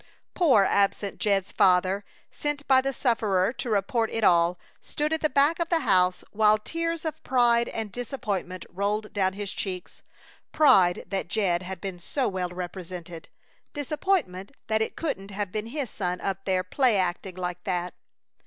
Poor absent Jed's father, sent by the sufferer to report it all, stood at the back of the house while tears of pride and disappointment rolled down his cheeks pride that Jed had been so well represented, disappointment that it couldn't have been his son up there play acting like that.